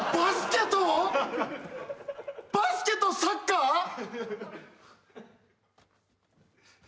バスケとサッカー！？